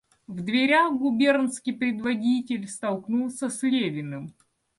В дверях губернский предводитель столкнулся с Левиным.